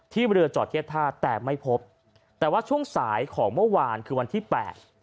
เรือจอดเทียบท่าแต่ไม่พบแต่ว่าช่วงสายของเมื่อวานคือวันที่แปด